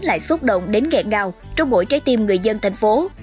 lại xúc động đến nghẹn ngào trong mỗi trái tim người dân thành phố